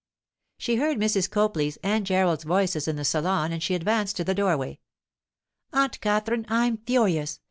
She heard Mrs. Copley's and Gerald's voices in the salon and she advanced to the doorway. 'Aunt Katherine! I'm furious!